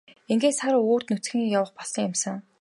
Ингээд сар үүрд нүцгэн явах болсон юмсанжээ.